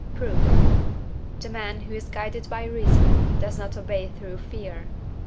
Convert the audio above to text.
Proof. The man, who is guided by reason, does not obey through fear (IV.